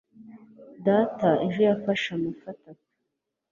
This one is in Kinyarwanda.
data ejo yafashe amafi atatu